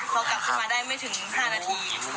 พอกลับขึ้นมาได้ไม่ถึง๕นาที